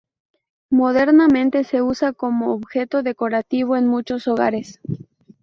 Modernamente se usa como objeto decorativo en muchos hogares.